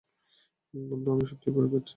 বন্ধু, আমি সত্যিই ভয় পাচ্ছি।